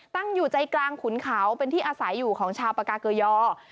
ตั้งอยู่ใจกลางขุนเขาเป็นที่อาศัยอยู่ของชาวปากาเกยอ